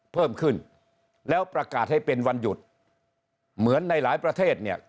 เพิ่มขึ้นแล้วประกาศให้เป็นวันหยุดเหมือนในหลายประเทศเนี่ย